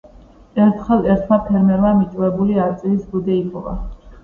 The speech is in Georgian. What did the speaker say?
ერთხელ ერთმა ფერმერმა მიტოვებული არწივის ბუდე იპოვა